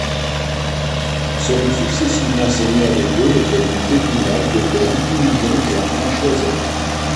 Seront successivement seigneurs des lieux, les familles d'Épinac, de Pernes, Touloujon, et enfin Choiseul.